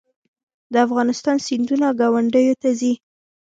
د افغانستان سیندونه ګاونډیو ته ځي